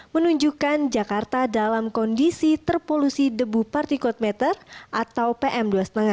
menunjukkan jakarta dalam kondisi terpolusi debu partikelt meter atau pm dua lima